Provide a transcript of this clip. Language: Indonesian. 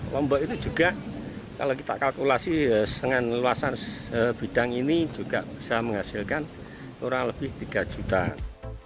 lombok ini juga kalau kita kalkulasi dengan luasan bidang ini juga bisa menghasilkan kurang lebih tiga jutaan